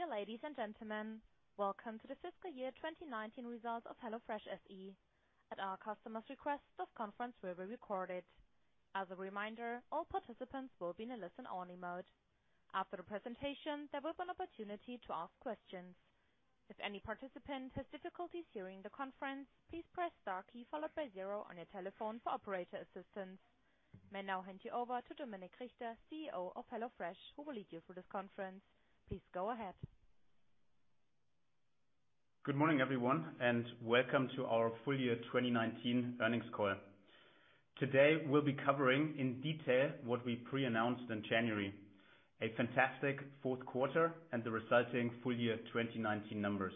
Dear ladies and gentlemen. Welcome to the fiscal year 2019 results of HelloFresh SE. At our customers' request, this conference will be recorded. As a reminder, all participants will be in a listen-only mode. After the presentation, there will be an opportunity to ask questions. If any participant has difficulties hearing the conference, please press star key, followed by zero on your telephone for operator assistance. May now hand you over to Dominik Richter, CEO of HelloFresh, who will lead you through this conference. Please go ahead. Good morning, everyone, and welcome to our full year 2019 earnings call. Today, we'll be covering in detail what we pre-announced in January, a fantastic fourth quarter and the resulting full year 2019 numbers.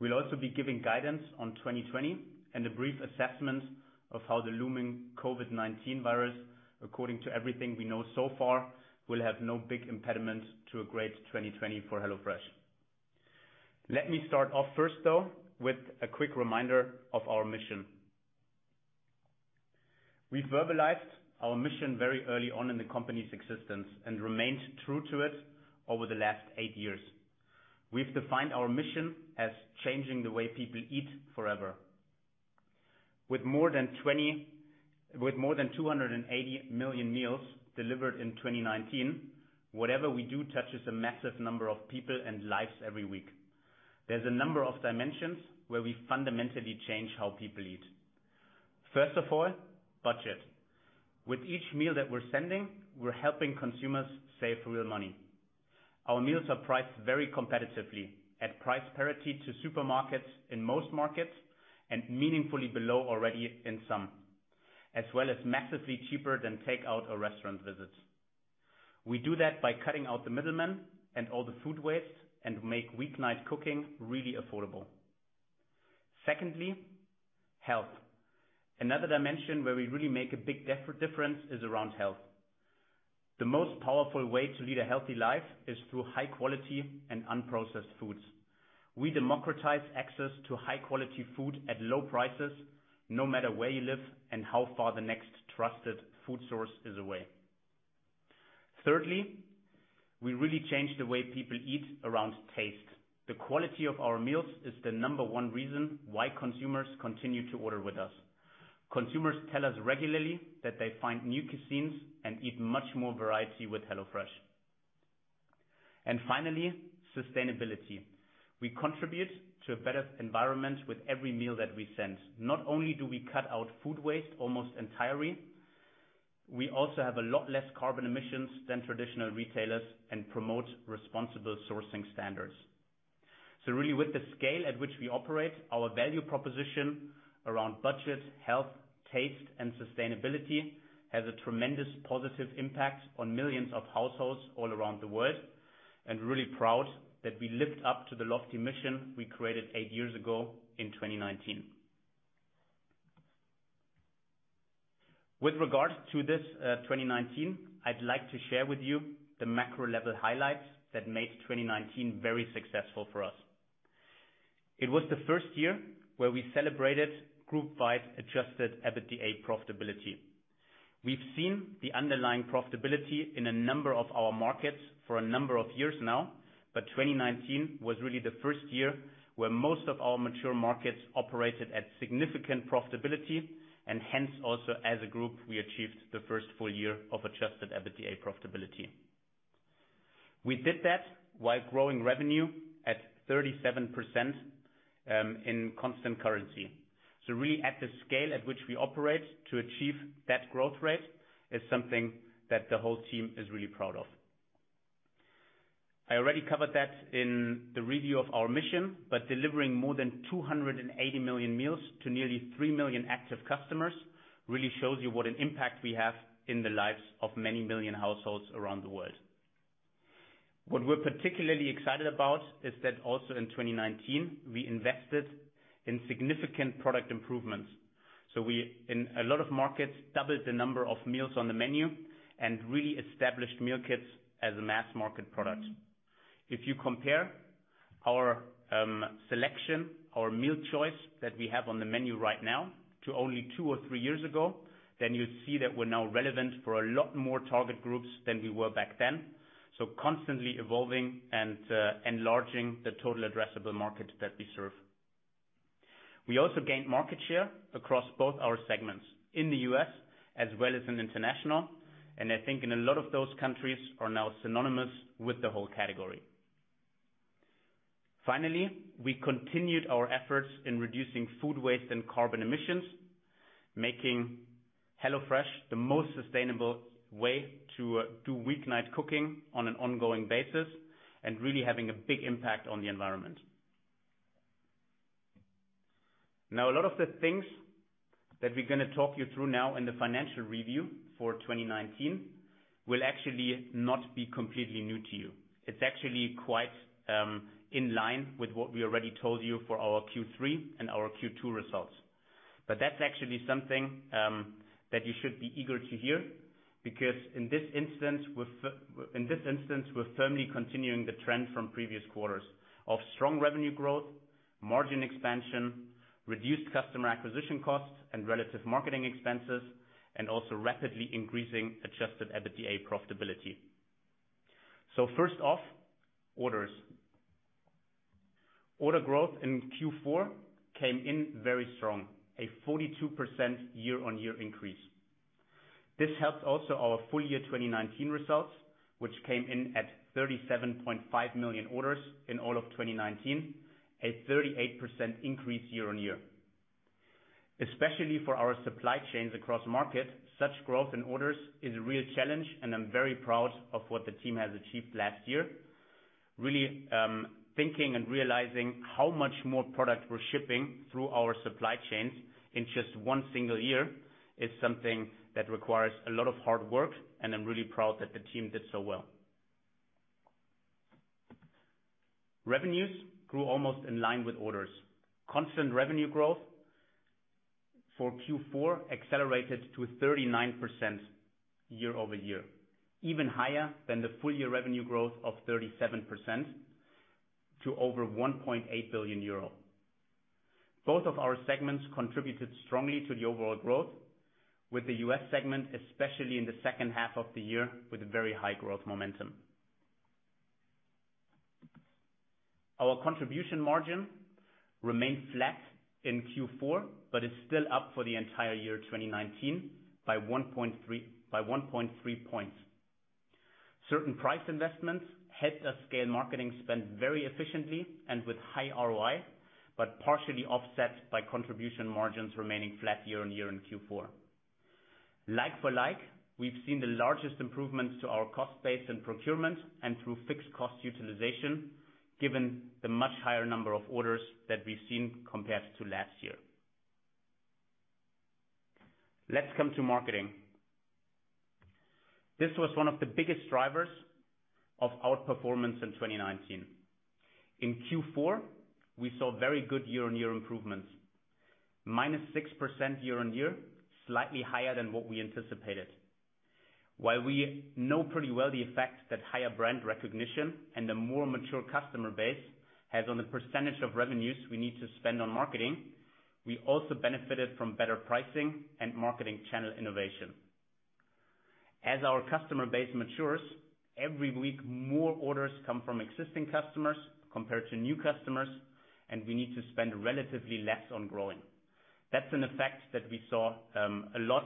We'll also be giving guidance on 2020 and a brief assessment of how the looming COVID-19 virus, according to everything we know so far, will have no big impediment to a great 2020 for HelloFresh. Let me start off first though, with a quick reminder of our mission. We verbalized our mission very early on in the company's existence and remained true to it over the last eight years. We've defined our mission as changing the way people eat forever. With more than 280 million meals delivered in 2019, whatever we do touches a massive number of people and lives every week. There's a number of dimensions where we fundamentally change how people eat. First of all, budget. With each meal that we're sending, we're helping consumers save real money. Our meals are priced very competitively at price parity to supermarkets in most markets and meaningfully below already in some, as well as massively cheaper than takeout or restaurant visits. We do that by cutting out the middlemen and all the food waste and make weeknight cooking really affordable. Secondly, health. Another dimension where we really make a big difference is around health. The most powerful way to lead a healthy life is through high-quality and unprocessed foods. We democratize access to high-quality food at low prices, no matter where you live and how far the next trusted food source is away. Thirdly, we really change the way people eat around taste. The quality of our meals is the number one reason why consumers continue to order with us. Consumers tell us regularly that they find new cuisines and eat much more variety with HelloFresh. Finally, sustainability. We contribute to a better environment with every meal that we send. Not only do we cut out food waste almost entirely, we also have a lot less carbon emissions than traditional retailers and promote responsible sourcing standards. Really, with the scale at which we operate, our value proposition around budget, health, taste, and sustainability has a tremendous positive impact on millions of households all around the world, and really proud that we lived up to the lofty mission we created eight years ago in 2019. With regards to this 2019, I'd like to share with you the macro-level highlights that made 2019 very successful for us. It was the first year where we celebrated group vice adjusted EBITDA profitability. We've seen the underlying profitability in a number of our markets for a number of years now, but 2019 was really the first year where most of our mature markets operated at significant profitability, and hence also as a group, we achieved the first full year of adjusted EBITDA profitability. We did that while growing revenue at 37% in constant currency. Really at the scale at which we operate to achieve that growth rate is something that the whole team is really proud of. I already covered that in the review of our mission, but delivering more than 280 million meals to nearly three million active customers really shows you what an impact we have in the lives of many million households around the world. What we're particularly excited about is that also in 2019, we invested in significant product improvements. We, in a lot of markets, doubled the number of meals on the menu and really established meal kits as a mass market product. If you compare our selection, our meal choice that we have on the menu right now to only two or three years ago, then you'll see that we're now relevant for a lot more target groups than we were back then. Constantly evolving and enlarging the total addressable market that we serve. We also gained market share across both our segments in the U.S. as well as in international, and I think in a lot of those countries are now synonymous with the whole category. Finally, we continued our efforts in reducing food waste and carbon emissions, making HelloFresh the most sustainable way to do week night cooking on an ongoing basis and really having a big impact on the environment. A lot of the things that we're going to talk you through now in the financial review for 2019 will actually not be completely new to you. It's actually quite in line with what we already told you for our Q3 and our Q2 results. That's actually something that you should be eager to hear because in this instance, we're firmly continuing the trend from previous quarters of strong revenue growth, margin expansion, reduced customer acquisition costs and relative marketing expenses, and also rapidly increasing adjusted EBITDA profitability. First off, orders. Order growth in Q4 came in very strong, a 42% year-on-year increase. This helped also our full year 2019 results, which came in at 37.5 million orders in all of 2019, a 38% increase year-on-year. Especially for our supply chains across market, such growth in orders is a real challenge, and I'm very proud of what the team has achieved last year. Really thinking and realizing how much more product we're shipping through our supply chains in just one single year is something that requires a lot of hard work, and I'm really proud that the team did so well. Revenues grew almost in line with orders. Constant revenue growth for Q4 accelerated to 39% year-over-year. Even higher than the full year revenue growth of 37% to over 1.8 billion euro. Both of our segments contributed strongly to the overall growth with the U.S. segment, especially in the second half of the year, with a very high growth momentum. Our contribution margin remained flat in Q4, but it's still up for the entire year 2019 by 1.3 points. Certain price investments helped us scale marketing spend very efficiently and with high ROI, partially offset by contribution margins remaining flat year-on-year in Q4. Like for like, we've seen the largest improvements to our cost base and procurement and through fixed cost utilization, given the much higher number of orders that we've seen compared to last year. Let's come to marketing. This was one of the biggest drivers of outperformance in 2019. In Q4, we saw very good year-on-year improvements, minus 6% year-on-year, slightly higher than what we anticipated. While we know pretty well the effect that higher brand recognition and a more mature customer base has on the percentage of revenues we need to spend on marketing, we also benefited from better pricing and marketing channel innovation. As our customer base matures, every week more orders come from existing customers compared to new customers, and we need to spend relatively less on growing. That's an effect that we saw a lot,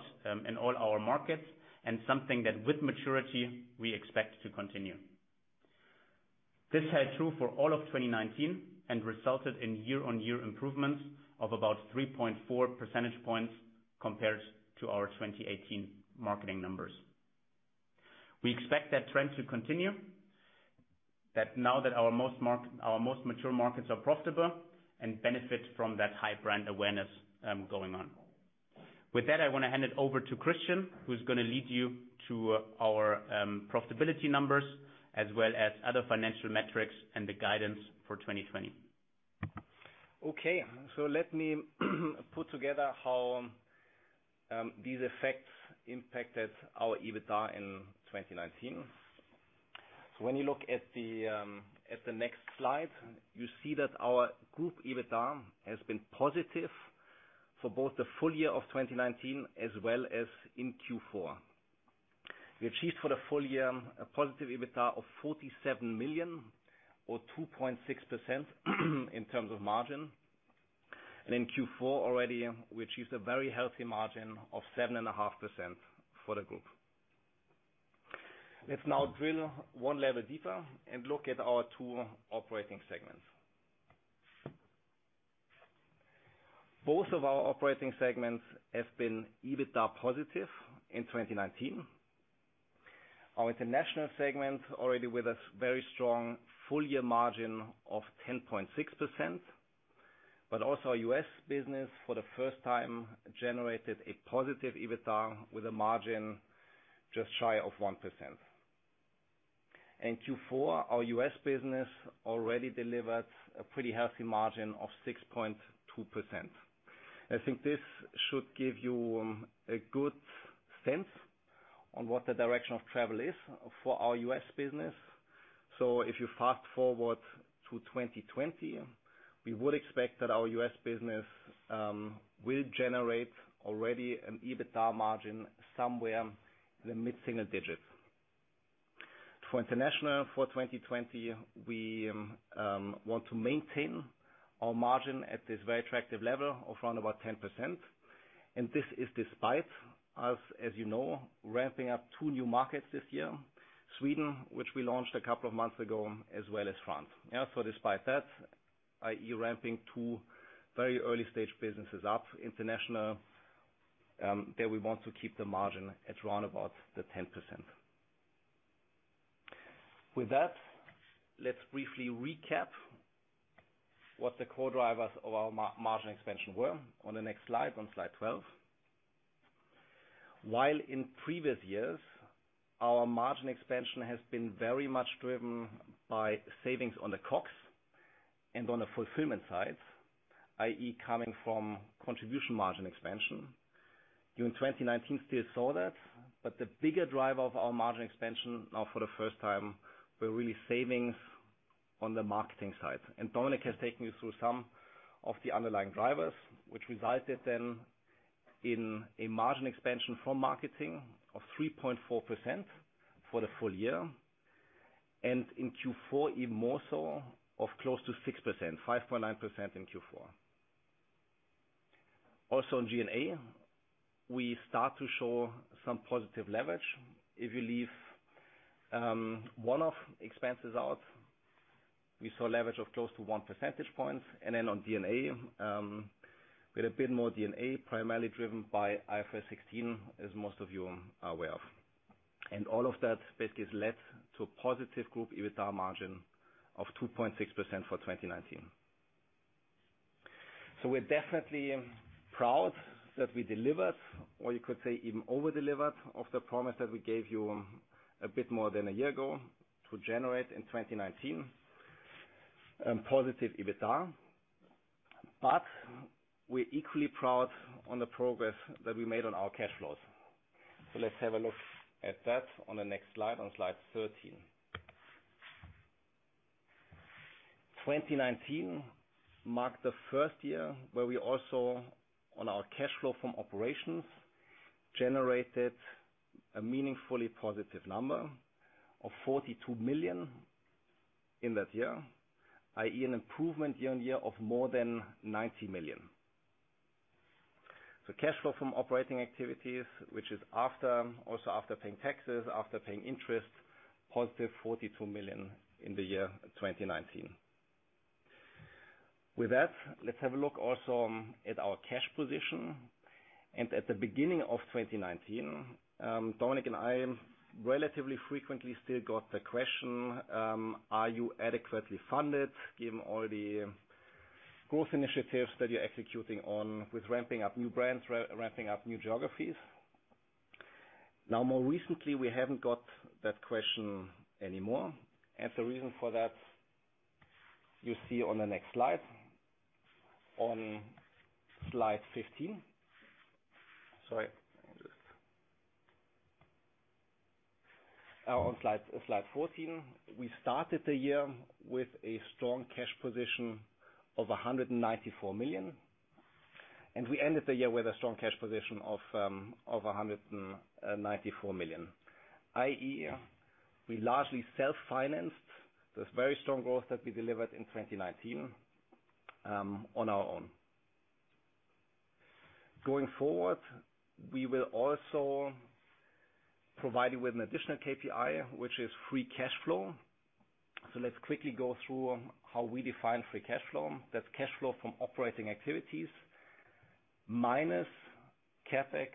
in all our markets, and something that with maturity, we expect to continue. This held true for all of 2019 and resulted in year-on-year improvements of about 3.4 percentage points compared to our 2018 marketing numbers. We expect that trend to continue now that our most mature markets are profitable and benefit from that high brand awareness going on. With that, I want to hand it over to Christian, who's going to lead you to our profitability numbers as well as other financial metrics and the guidance for 2020. Okay. Let me put together how these effects impacted our EBITDA in 2019. When you look at the next slide, you see that our group EBITDA has been positive for both the full year of 2019 as well as in Q4. We achieved for the full year a positive EBITDA of 47 million or 2.6% in terms of margin. In Q4 already, we achieved a very healthy margin of 7.5% for the group. Let's now drill 1 level deeper and look at our two operating segments. Both of our operating segments have been EBITDA positive in 2019. Our international segment already with a very strong full year margin of 10.6%, but also our U.S. business for the first time generated a positive EBITDA with a margin just shy of 1%. In Q4, our U.S. business already delivered a pretty healthy margin of 6.2%. I think this should give you a good sense on what the direction of travel is for our U.S. business. If you fast-forward to 2020, we would expect that our U.S. business will generate already an EBITDA margin somewhere in the mid-single digits. For international for 2020, we want to maintain our margin at this very attractive level of around about 10%. This is despite, as you know, ramping up two new markets this year, Sweden, which we launched a couple of months ago, as well as France. Despite that, i.e. ramping two very early-stage businesses up international, there we want to keep the margin at around about the 10%. With that, let's briefly recap what the core drivers of our margin expansion were on the next slide, on slide 12. While in previous years, our margin expansion has been very much driven by savings on the COGS and on the fulfillment side, i.e. coming from contribution margin expansion. During 2019, still saw that. The bigger driver of our margin expansion now for the first time, were really savings on the marketing side. Dominik has taken you through some of the underlying drivers, which resulted then in a margin expansion from marketing of 3.4% for the full year, and in Q4 even more so of close to 6%, 5.9% in Q4. Also in G&A, we start to show some positive leverage. If you leave one-off expenses out, we saw leverage of close to one percentage point. On D&A, with a bit more D&A, primarily driven by IFRS 16, as most of you are aware of. All of that basically has led to a positive group EBITDA margin of 2.6% for 2019. We're definitely proud that we delivered, or you could say even over-delivered, of the promise that we gave you a bit more than a year ago to generate in 2019, positive EBITDA. We're equally proud on the progress that we made on our cash flows. Let's have a look at that on the next slide, on slide 13. 2019 marked the first year where we also, on our cash flow from operations, generated a meaningfully positive number of 42 million in that year, i.e., an improvement year-on-year of more than 90 million. Cash flow from operating activities, which is after, also after paying taxes, after paying interest, positive 42 million in the year 2019. With that, let's have a look also at our cash position. At the beginning of 2019, Dominik and I relatively frequently still got the question, are you adequately funded given all the growth initiatives that you're executing on with ramping up new brands, ramping up new geographies? More recently, we haven't got that question anymore. The reason for that, you see on the next slide, on slide 15. On slide 14. We started the year with a strong cash position of 194 million, and we ended the year with a strong cash position of 194 million. I.e., we largely self-financed this very strong growth that we delivered in 2019 on our own. Going forward, we will also provide you with an additional KPI, which is free cash flow. Let's quickly go through how we define free cash flow. That's cash flow from operating activities minus CapEx,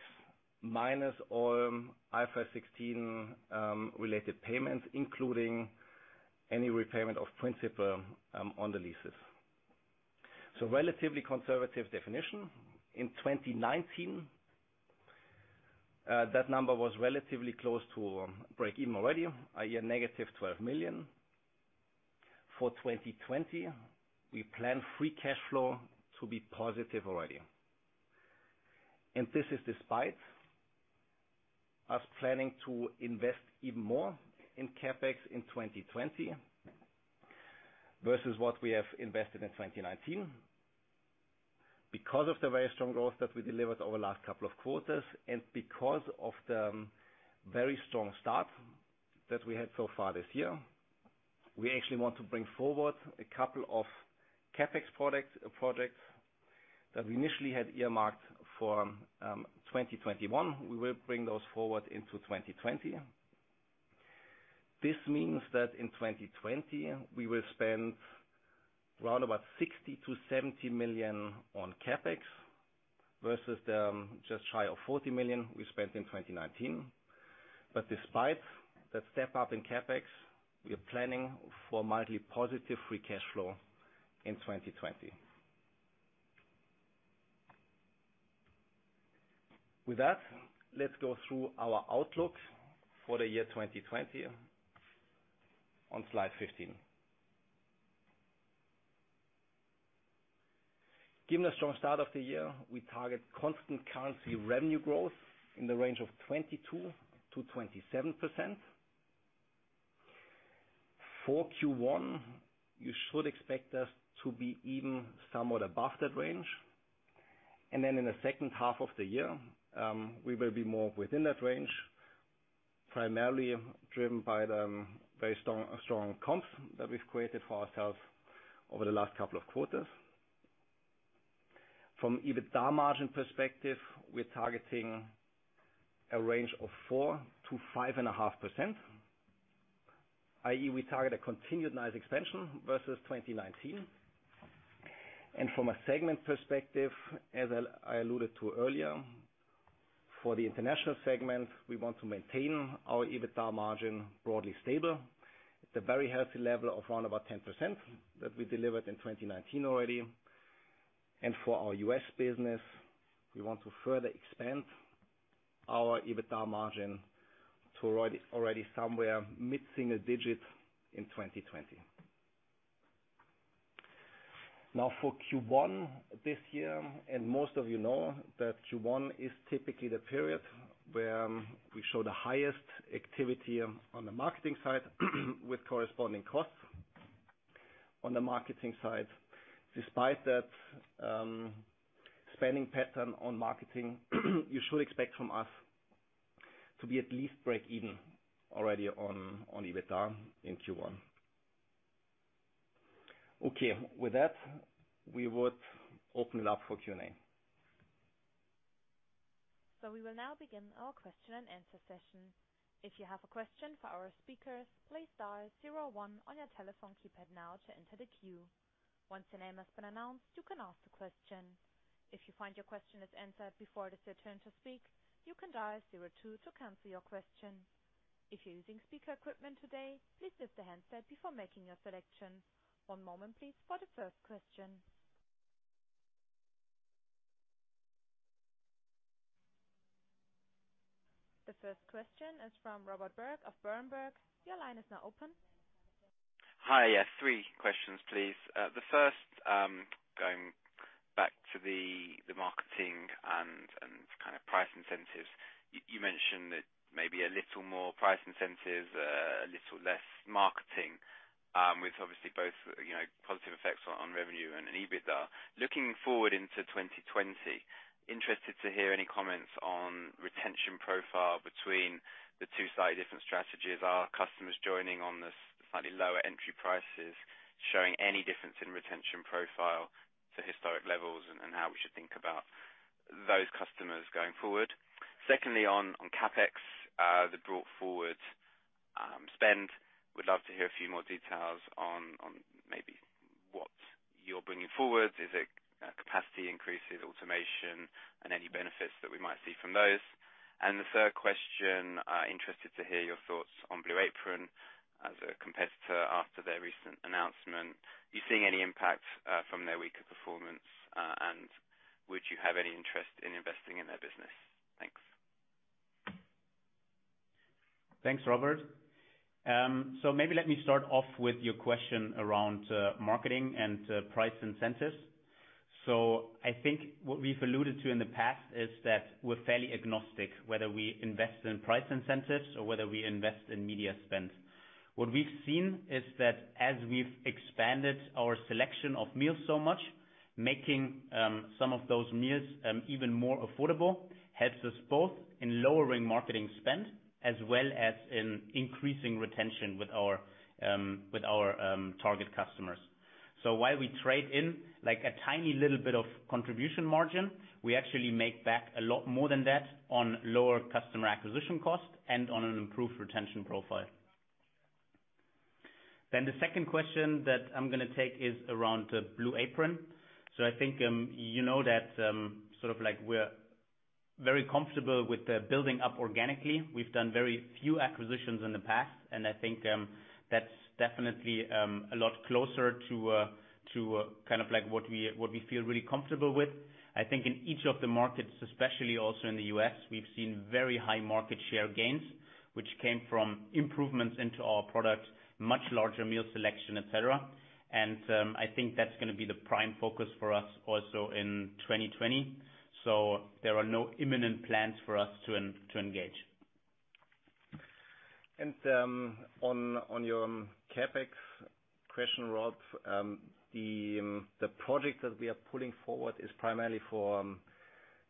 minus all IFRS 16 related payments, including any repayment of principal, on the leases. Relatively conservative definition. In 2019, that number was relatively close to break-even already, i.e., negative 12 million. For 2020, we plan free cash flow to be positive already. This is despite us planning to invest even more in CapEx in 2020 versus what we have invested in 2019. Because of the very strong growth that we delivered over the last couple of quarters and because of the very strong start that we had so far this year, we actually want to bring forward a couple of CapEx projects that we initially had earmarked for 2021. We will bring those forward into 2020. This means that in 2020, we will spend round about 60 million-70 million on CapEx versus the just shy of 40 million we spent in 2019. Despite that step up in CapEx, we are planning for mildly positive free cash flow in 2020. With that, let's go through our outlook for the year 2020 on slide 15. Given the strong start of the year, we target constant currency revenue growth in the range of 22%-27%. For Q1, you should expect us to be even somewhat above that range. In the second half of the year, we will be more within that range, primarily driven by the very strong comps that we've created for ourselves over the last couple of quarters. From EBITDA margin perspective, we're targeting a range of 4%-5.5%, i.e., we target a continued nice expansion versus 2019. From a segment perspective, as I alluded to earlier, for the international segment, we want to maintain our EBITDA margin broadly stable at the very healthy level of around about 10% that we delivered in 2019 already. For our U.S. business, we want to further expand our EBITDA margin to already somewhere mid-single digit in 2020. For Q1 this year, most of you know that Q1 is typically the period where we show the highest activity on the marketing side with corresponding costs on the marketing side. Despite that spending pattern on marketing you should expect from us to be at least break even already on EBITDA in Q1. With that, we would open it up for Q&A. We will now begin our question and answer session. If you have a question for our speakers, please dial zero one on your telephone keypad now to enter the queue. Once your name has been announced, you can ask the question. If you find your question is answered before it is your turn to speak, you can dial zero two to cancel your question. If you're using speaker equipment today, please lift the handset before making your selection. One moment, please, for the first question. The first question is from Robert Berg of Berenberg. Your line is now open. Hi. Yeah. Three questions, please. The first, going back to the marketing and price incentives. You mentioned that maybe a little more price incentive, a little less marketing, with obviously both positive effects on revenue and in EBITDA. Looking forward into 2020, interested to hear any comments on retention profile between the two slightly different strategies. Are customers joining on the slightly lower entry prices showing any difference in retention profile to historic levels, and how we should think about those customers going forward? Secondly, on CapEx, the brought forward spend. Would love to hear a few more details on maybe what you're bringing forward. Is it capacity increases, automation, and any benefits that we might see from those? The third question, interested to hear your thoughts on Blue Apron as a competitor after their recent announcement. Are you seeing any impact from their weaker performance? Would you have any interest in investing in their business? Thanks. Thanks, Robert. Maybe let me start off with your question around marketing and price incentives. I think what we've alluded to in the past is that we're fairly agnostic whether we invest in price incentives or whether we invest in media spend. What we've seen is that as we've expanded our selection of meals so much, making some of those meals even more affordable helps us both in lowering marketing spend as well as in increasing retention with our target customers. While we trade in a tiny little bit of contribution margin, we actually make back a lot more than that on lower customer acquisition cost and on an improved retention profile. The second question that I'm going to take is around Blue Apron. I think you know that we're very comfortable with building up organically. We've done very few acquisitions in the past, and I think that's definitely a lot closer to what we feel really comfortable with. I think in each of the markets, especially also in the U.S., we've seen very high market share gains, which came from improvements into our product, much larger meal selection, et cetera. I think that's going to be the prime focus for us also in 2020. There are no imminent plans for us to engage. On your CapEx question, Rob, the project that we are pulling forward is primarily for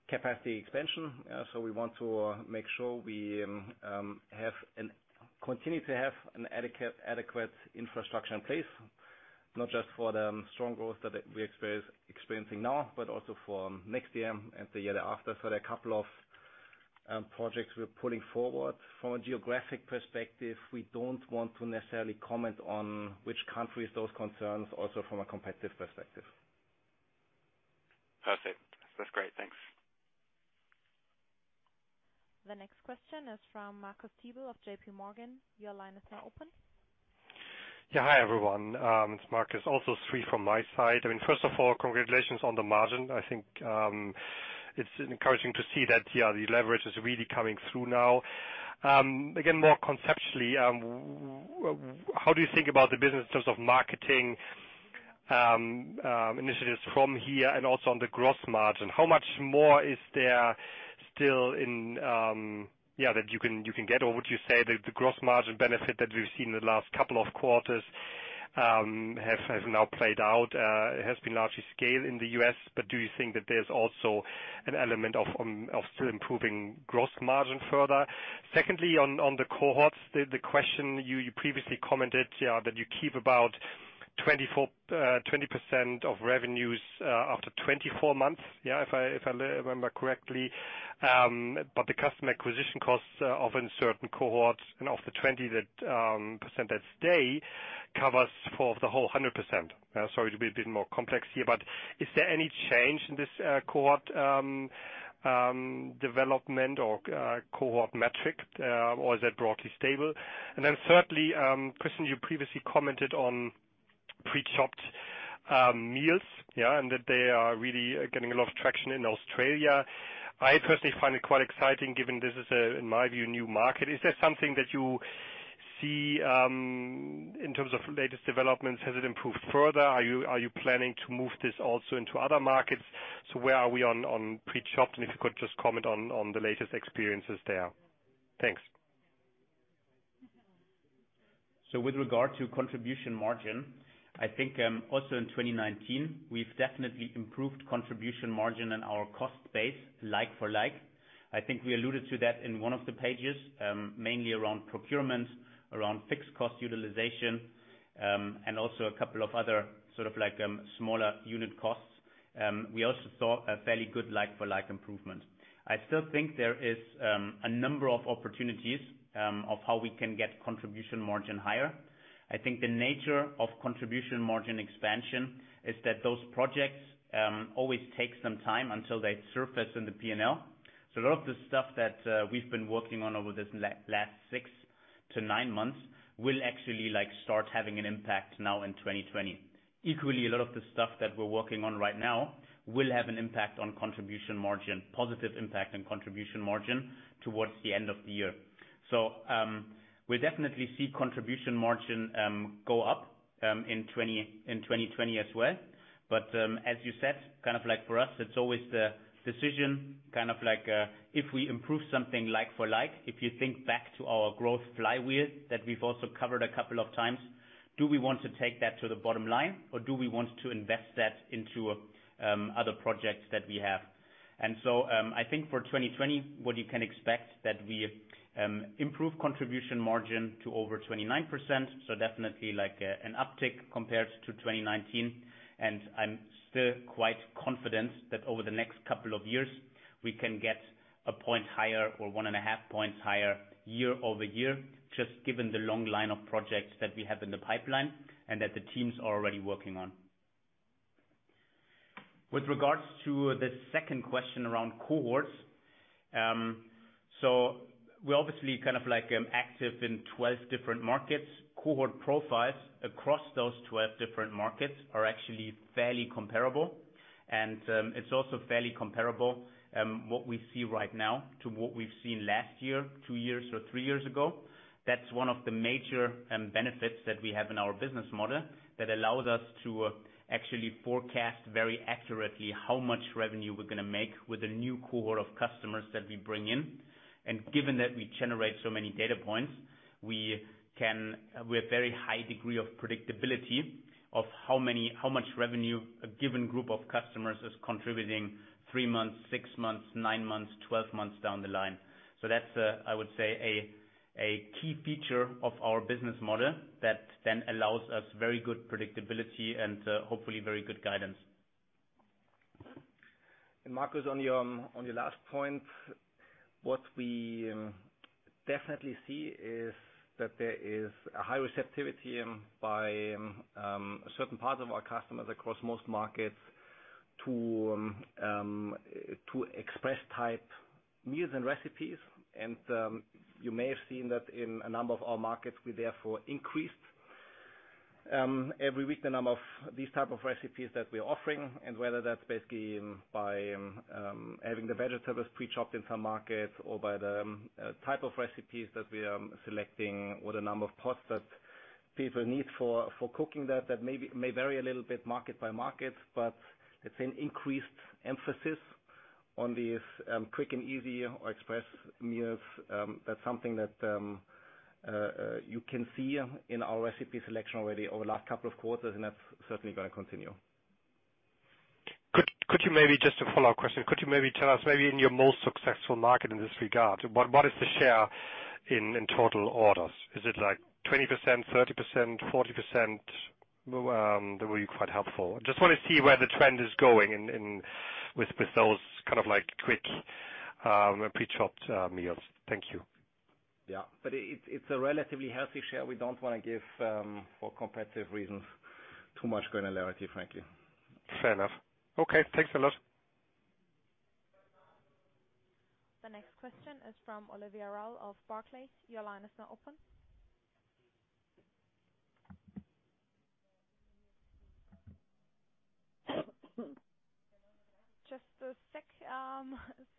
capacity expansion. We want to make sure we continue to have an adequate infrastructure in place, not just for the strong growth that we're experiencing now, but also for next year and the year after. There are a couple of projects we're pulling forward. From a geographic perspective, we don't want to necessarily comment on which countries those concerns, also from a competitive perspective. Perfect. That's great. Thanks. The next question is from Marcus Diebel of JP Morgan. Your line is now open. Yeah. Hi, everyone. It's Marcus. Also three from my side. First of all, congratulations on the margin. I think it's encouraging to see that the leverage is really coming through now. More conceptually, how do you think about the business in terms of marketing initiatives from here and also on the gross margin? How much more is there still that you can get? Would you say that the gross margin benefit that we've seen in the last couple of quarters have now played out, has been largely scaled in the U.S., but do you think that there's also an element of still improving gross margin further? Secondly, on the cohorts, the question you previously commented that you keep about 20% of revenues after 24 months, if I remember correctly. The customer acquisition costs of certain cohorts and of the 20% that stay covers for the whole 100%. Sorry to be a bit more complex here, but is there any change in this cohort development or cohort metric, or is that broadly stable? Then thirdly, Christian, you previously commented on pre-chopped meals. That they are really getting a lot of traction in Australia. I personally find it quite exciting given this is, in my view, new market. Is there something that you see in terms of latest developments, has it improved further? Are you planning to move this also into other markets? Where are we on pre-chopped? If you could just comment on the latest experiences there. Thanks. With regard to contribution margin, I think also in 2019, we've definitely improved contribution margin and our cost base like for like. I think we alluded to that in one of the pages, mainly around procurement, around fixed cost utilization, and also a couple of other sort of smaller unit costs. We also saw a fairly good like for like improvement. I still think there is a number of opportunities of how we can get contribution margin higher. I think the nature of contribution margin expansion is that those projects always take some time until they surface in the P&L. A lot of the stuff that we've been working on over this last six to nine months will actually start having an impact now in 2020. Equally, a lot of the stuff that we're working on right now will have an impact on contribution margin, positive impact on contribution margin towards the end of the year. We'll definitely see contribution margin go up in 2020 as well. As you said, kind of like for us, it's always the decision, kind of like if we improve something like for like, if you think back to our growth flywheel that we've also covered a couple of times, do we want to take that to the bottom line or do we want to invest that into other projects that we have? I think for 2020, what you can expect that we improve contribution margin to over 29%. Definitely like an uptick compared to 2019. I'm still quite confident that over the next couple of years, we can get a point higher or one and a half points higher year-over-year, just given the long line of projects that we have in the pipeline and that the teams are already working on. With regards to the second question around cohorts, we're obviously kind of active in 12 different markets. Cohort profiles across those 12 different markets are actually fairly comparable. It's also fairly comparable, what we see right now to what we've seen last year, two years or three years ago. That's one of the major benefits that we have in our business model that allows us to actually forecast very accurately how much revenue we're going to make with a new cohort of customers that we bring in. Given that we generate so many data points, we have very high degree of predictability of how much revenue a given group of customers is contributing three months, six months, nine months, 12 months down the line. That's, I would say, a key feature of our business model that then allows us very good predictability and hopefully very good guidance. Marcus, on your last point, what we definitely see is that there is a high receptivity by certain parts of our customers across most markets to express type meals and recipes. You may have seen that in a number of our markets, we therefore increased every week the number of these type of recipes that we're offering, and whether that's basically by having the vegetables pre-chopped in some markets or by the type of recipes that we are selecting or the number of pots that people need for cooking that may vary a little bit market by market, but it's an increased emphasis on these quick and easy or express meals. That's something that you can see in our recipe selection already over the last couple of quarters, and that's certainly going to continue. Could you maybe, just a follow-up question, could you maybe tell us maybe in your most successful market in this regard, what is the share in total orders? Is it like 20%, 30%, 40%? That would be quite helpful. Just want to see where the trend is going with those kind of quick pre-chopped meals. Thank you. Yeah. It's a relatively healthy share. We don't want to give, for competitive reasons, too much granularity, frankly. Fair enough. Okay, thanks a lot. The next question is from Olivia Cave of Barclays. Your line is now open. Just a sec.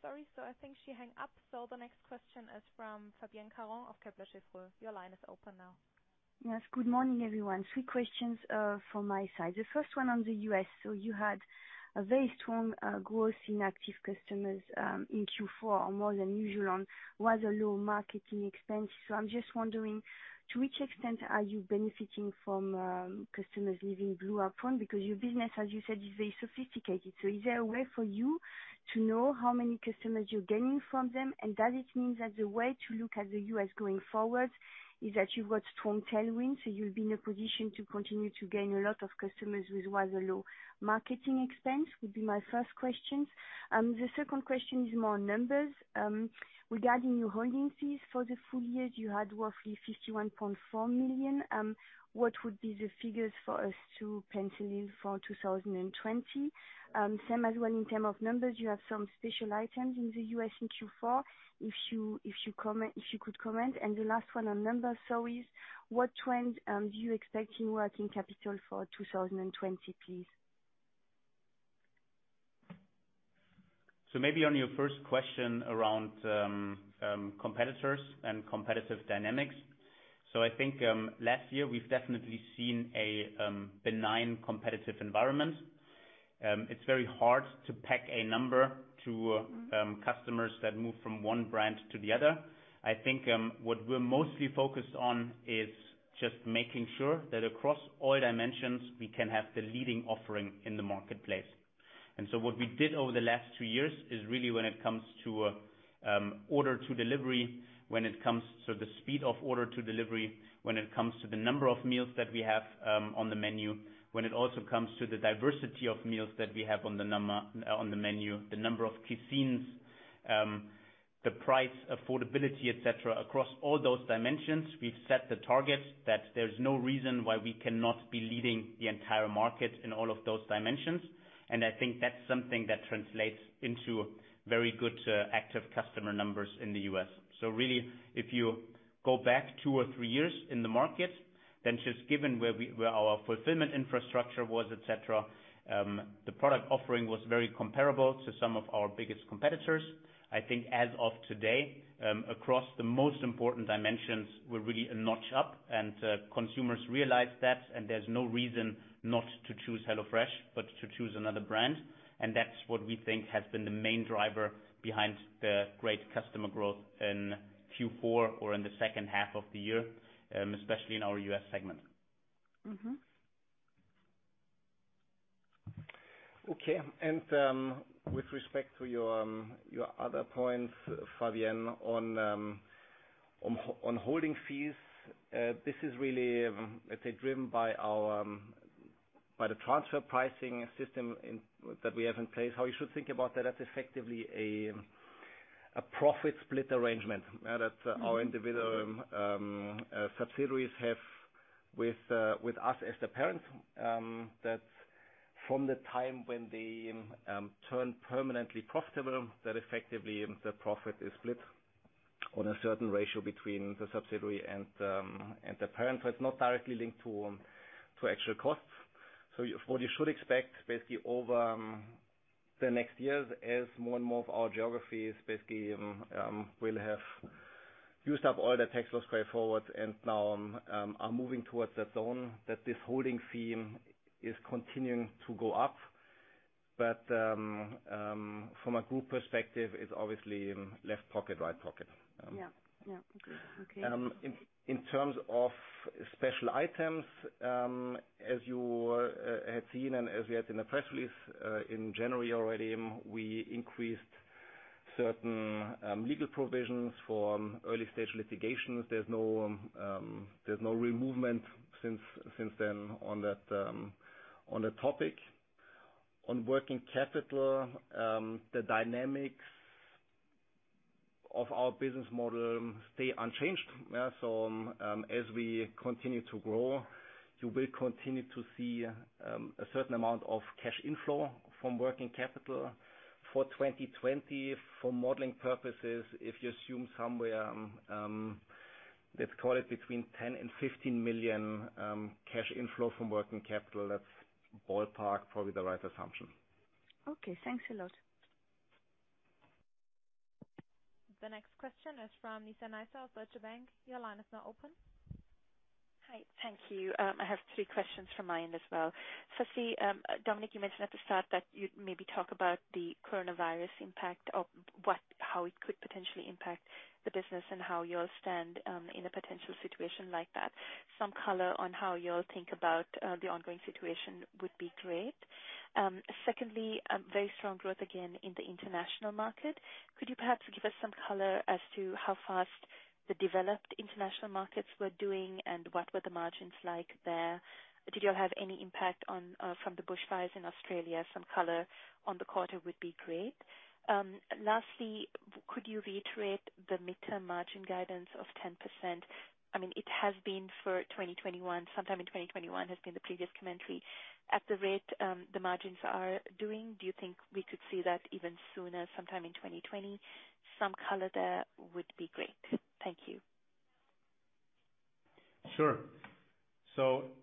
Sorry, I think she hang up. The next question is from Fabienne Caron of Kepler Cheuvreux. Your line is open now. Yes. Good morning, everyone. Three questions from my side. The first one on the U.S. You had a very strong growth in active customers, in Q4 or more than usual on rather low marketing expense. I'm just wondering to which extent are you benefiting from customers leaving Blue Apron? Your business, as you said, is very sophisticated. Is there a way for you to know how many customers you're gaining from them? Does it mean that the way to look at the U.S. going forward is that you've got strong tailwinds, so you'll be in a position to continue to gain a lot of customers with rather low marketing expense? Would be my first question. The second question is more on numbers. Regarding your holding fees for the full year, you had roughly 51.4 million. What would be the figures for us to pencil in for 2020? Same as well in terms of numbers, you have some special items in the U.S. in Q4. If you could comment. The last one on numbers, is what trend, do you expect in working capital for 2020, please? Maybe on your first question around competitors and competitive dynamics. I think last year we've definitely seen a benign competitive environment. It's very hard to peg a number to customers that move from one brand to the other. I think what we're mostly focused on is just making sure that across all dimensions, we can have the leading offering in the marketplace. What we did over the last two years is really when it comes to order to delivery, when it comes to the speed of order to delivery, when it comes to the number of meals that we have on the menu, when it also comes to the diversity of meals that we have on the menu, the number of cuisines, the price affordability, et cetera, across all those dimensions, we've set the target that there's no reason why we cannot be leading the entire market in all of those dimensions. I think that's something that translates into very good active customer numbers in the U.S. Really, if you go back two or three years in the market, then just given where our fulfillment infrastructure was, et cetera, the product offering was very comparable to some of our biggest competitors. I think as of today, across the most important dimensions, we're really a notch up and consumers realize that, and there's no reason not to choose HelloFresh but to choose another brand. That's what we think has been the main driver behind the great customer growth in Q4 or in the second half of the year, especially in our U.S. segment. With respect to your other points, Fabienne, on holding fees, this is really driven by the transfer pricing system that we have in place. How you should think about that's effectively a profit split arrangement that our individual subsidiaries have with us as the parent. That from the time when they turn permanently profitable, that effectively the profit is split on a certain ratio between the subsidiary and the parent. It's not directly linked to actual costs. What you should expect, basically over the next years as more and more of our geographies basically will have used up all their tax loss carry-forwards and now are moving towards that zone, that this holding fee is continuing to go up. From a group perspective, it's obviously left pocket, right pocket. Yeah. Agreed. Okay. In terms of special items, as you had seen and as we had in the press release in January already, we increased certain legal provisions for early-stage litigation. There's no real movement since then on that topic. On working capital, the dynamics of our business model stay unchanged. As we continue to grow, you will continue to see a certain amount of cash inflow from working capital. For 2020, for modeling purposes, if you assume somewhere, let's call it between 10 million and 15 million cash inflow from working capital, that's ballpark probably the right assumption. Okay, thanks a lot. The next question is from Nizla Naizer of Deutsche Bank. Your line is now open. Hi. Thank you. I have three questions from my end as well. First, Dominik, you mentioned at the start that you'd maybe talk about the coronavirus impact of how it could potentially impact the business and how you'll stand in a potential situation like that. Some color on how you all think about the ongoing situation would be great. Secondly, very strong growth again in the international market. Could you perhaps give us some color as to how fast the developed international markets were doing and what were the margins like there? Did you have any impact from the bushfires in Australia? Some color on the quarter would be great. Lastly, could you reiterate the midterm margin guidance of 10%? It has been for 2021, sometime in 2021 has been the previous commentary. At the rate the margins are doing, do you think we could see that even sooner, sometime in 2020? Some color there would be great. Thank you. Sure.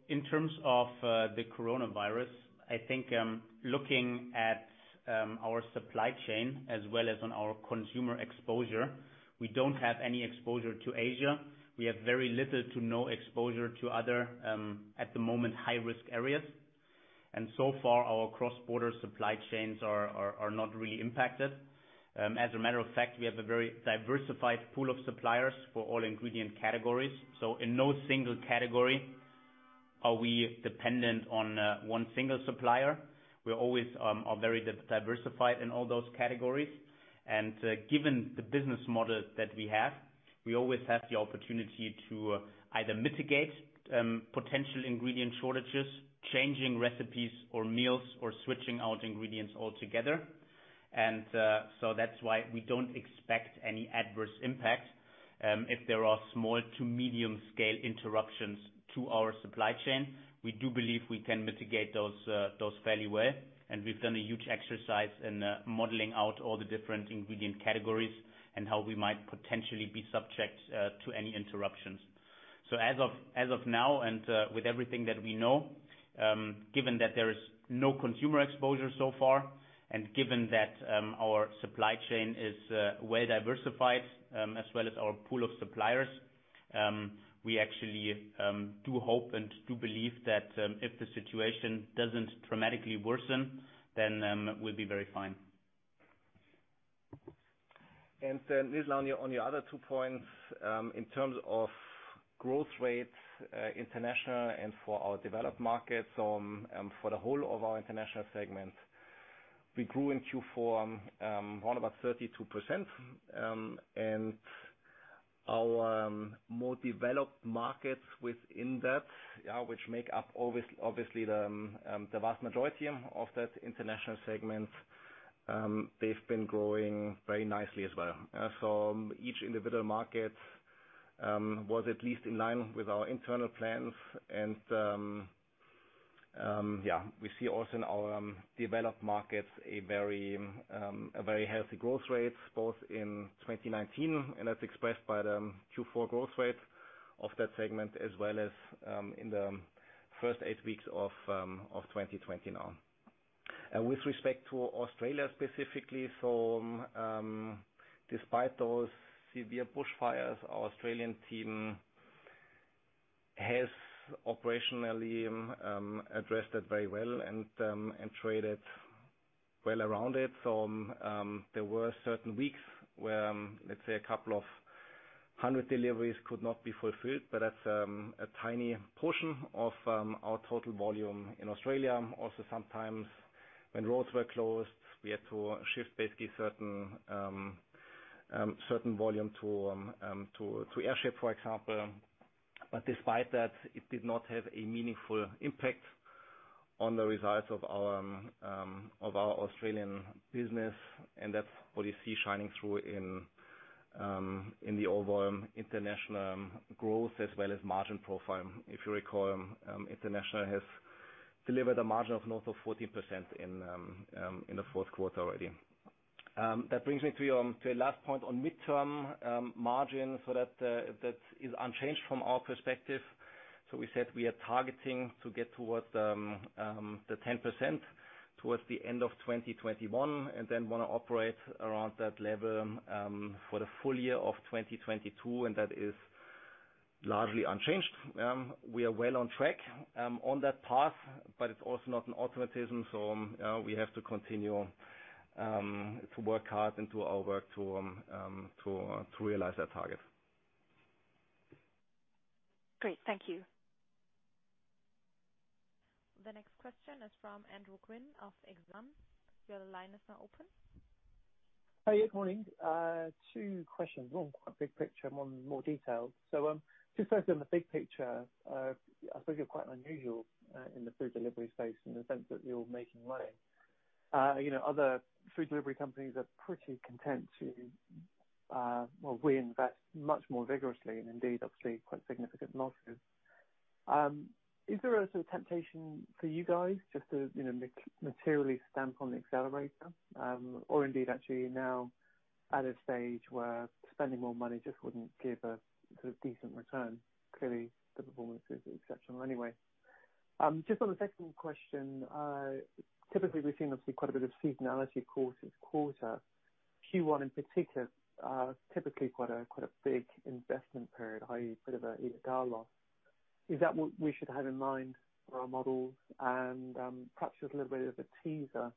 In terms of the coronavirus, I think looking at our supply chain as well as on our consumer exposure, we don't have any exposure to Asia. We have very little to no exposure to other, at the moment, high-risk areas. So far, our cross-border supply chains are not really impacted. As a matter of fact, we have a very diversified pool of suppliers for all ingredient categories. In no single category are we dependent on one single supplier. We always are very diversified in all those categories. Given the business model that we have, we always have the opportunity to either mitigate potential ingredient shortages, changing recipes or meals, or switching out ingredients altogether. That's why we don't expect any adverse impact. If there are small to medium scale interruptions to our supply chain, we do believe we can mitigate those fairly well, and we've done a huge exercise in modeling out all the different ingredient categories and how we might potentially be subject to any interruptions. As of now, and with everything that we know, given that there is no consumer exposure so far, and given that our supply chain is well diversified, as well as our pool of suppliers, we actually do hope and do believe that if the situation doesn't dramatically worsen, then we'll be very fine. Then, Nizla, on your other two points, in terms of growth rates, international and for our developed markets, for the whole of our international segment, we grew in Q4 around about 32%. Our more developed markets within that, which make up obviously the vast majority of that international segment, they've been growing very nicely as well. Each individual market was at least in line with our internal plans. Yeah, we see also in our developed markets a very healthy growth rate, both in 2019, and that's expressed by the Q4 growth rate of that segment as well as in the first eight weeks of 2020 now. With respect to Australia specifically, despite those severe bush fires, our Australian team has operationally addressed that very well and traded well around it. There were certain weeks where, let's say a couple of hundred deliveries could not be fulfilled, but that's a tiny portion of our total volume in Australia. Sometimes when roads were closed, we had to shift basically certain volume to airship, for example. Despite that, it did not have a meaningful impact on the results of our Australian business, and that's what you see shining through in the overall international growth as well as margin profile. If you recall, international has delivered a margin of north of 40% in the fourth quarter already. That brings me to a last point on midterm margins. That is unchanged from our perspective. We said we are targeting to get towards the 10% towards the end of 2021 and then want to operate around that level for the full year of 2022. That is largely unchanged. We are well on track on that path, but it's also not an automatism, so we have to continue to work hard and do our work to realize that target. Great. Thank you. The next question is from Andrew Quinn of Exane. Your line is now open. Hi. Yeah, morning. Two questions. One quite big picture, one more detailed. Just first on the big picture, I suppose you're quite unusual in the food delivery space in the sense that you're making money. Other food delivery companies are pretty content to, well, we invest much more vigorously and indeed, obviously quite significant losses. Is there a sort of temptation for you guys just to materially stamp on the accelerator? Indeed, actually are you now at a stage where spending more money just wouldn't give a sort of decent return? Clearly, the performance is exceptional anyway. Just on the second question, typically, we've seen obviously quite a bit of seasonality quarter-to-quarter. Q1 in particular, typically quite a big investment period, i.e., bit of a loss. Is that what we should have in mind for our models? Perhaps just a little bit of a teaser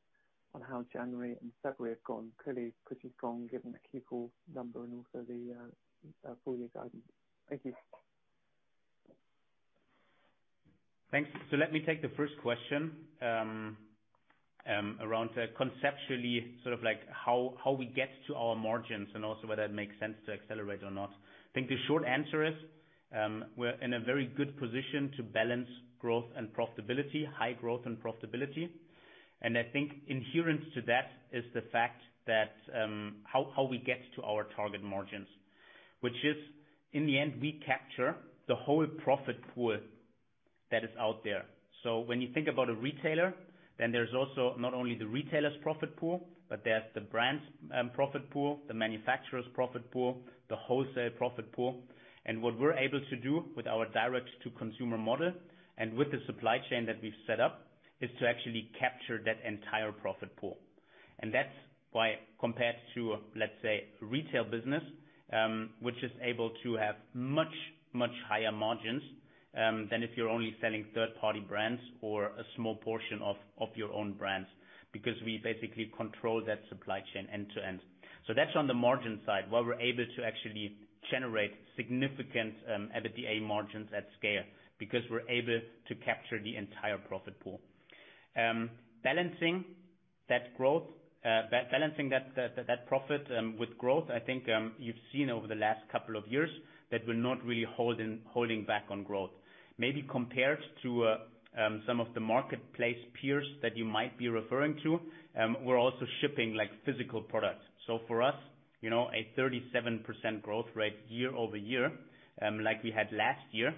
on how January and February have gone. Clearly pretty strong given the Q4 number and also the full year guidance. Thank you. Thanks. Let me take the first question, around conceptually sort of like how we get to our margins and also whether it makes sense to accelerate or not. I think the short answer is, we're in a very good position to balance growth and profitability, high growth and profitability. I think inherent to that is the fact that how we get to our target margins, which is, in the end, we capture the whole profit pool that is out there. When you think about a retailer, then there's also not only the retailer's profit pool, but there's the brand's profit pool, the manufacturer's profit pool, the wholesale profit pool. What we're able to do with our direct-to-consumer model and with the supply chain that we've set up, is to actually capture that entire profit pool. That's why compared to, let's say, retail business, which is able to have much, much higher margins than if you're only selling third-party brands or a small portion of your own brands, because we basically control that supply chain end to end. That's on the margin side, why we're able to actually generate significant EBITDA margins at scale, because we're able to capture the entire profit pool. Balancing that profit with growth, I think, you've seen over the last couple of years that we're not really holding back on growth. Maybe compared to some of the marketplace peers that you might be referring to, we're also shipping physical products. For us, a 37% growth rate year-over-year, like we had last year,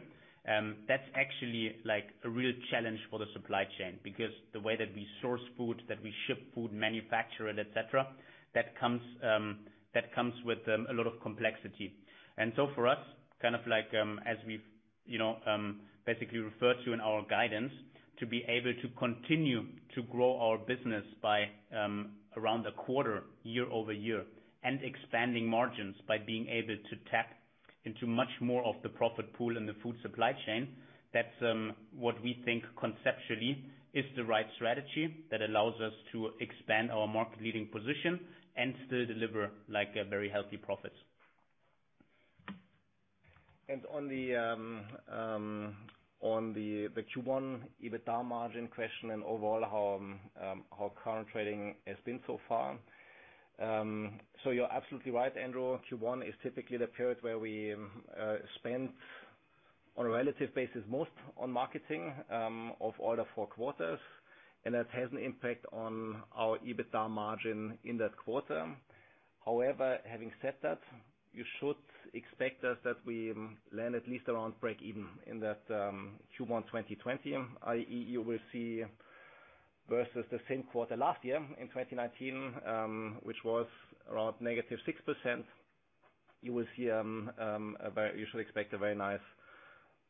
that's actually a real challenge for the supply chain because the way that we source food, that we ship food, manufacture it, et cetera, that comes with a lot of complexity. For us, kind of like, as we've basically referred to in our guidance, to be able to continue to grow our business by around a quarter year-over-year and expanding margins by being able to tap into much more of the profit pool in the food supply chain. That's what we think conceptually is the right strategy that allows us to expand our market leading position and still deliver a very healthy profit. On the Q1 EBITDA margin question and overall how current trading has been so far. You're absolutely right, Andrew, Q1 is typically the period where we spend on a relative basis most on marketing, of all the four quarters, and that has an impact on our EBITDA margin in that quarter. However, having said that, you should expect us that we land at least around breakeven in that Q1 2020, i.e, you will see versus the same quarter last year in 2019, which was around negative 6%. You should expect a very nice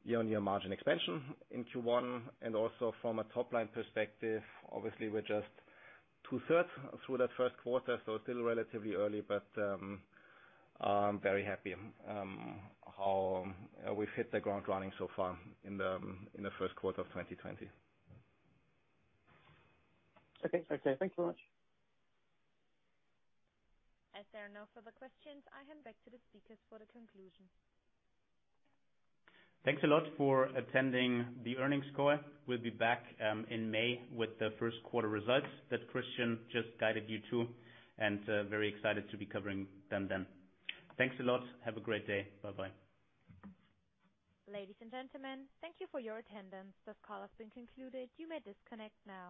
year-on-year margin expansion in Q1 and also from a top line perspective, obviously we're just two-thirds through that first quarter, so still relatively early. I'm very happy how we've hit the ground running so far in the first quarter of 2020. Okay. Thank you very much. As there are no further questions, I hand back to the speakers for the conclusion. Thanks a lot for attending the earnings call. We'll be back in May with the first quarter results that Christian just guided you to, and very excited to be covering them then. Thanks a lot. Have a great day. Bye-bye. Ladies and gentlemen, thank you for your attendance. This call has been concluded. You may disconnect now.